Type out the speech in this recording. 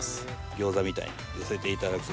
餃子みたいに寄せていただく。